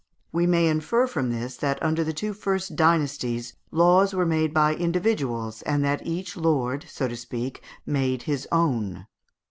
We may infer from this that under the two first dynasties laws were made by individuals, and that each lord, so to speak, made his own.